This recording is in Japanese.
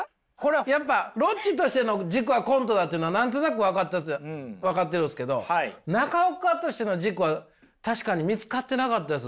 やっぱロッチとしての軸はコントだというのは何となく分かってるんですけど中岡としての軸は確かに見つかってなかったです